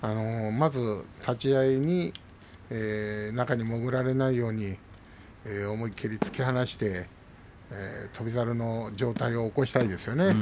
まず立ち合いに中に潜られないように思い切り突き放して翔猿の上体を起こしたり。